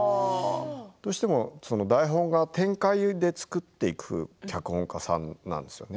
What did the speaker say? どうしても台本が展開で作っていく脚本家さんなんですね。